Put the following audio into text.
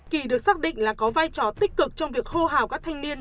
kỳ được xác định là có vai trò tích cực trong việc hô hào các thanh niên